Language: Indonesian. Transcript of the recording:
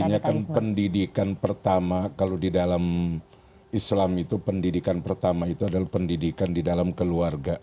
artinya kan pendidikan pertama kalau di dalam islam itu pendidikan pertama itu adalah pendidikan di dalam keluarga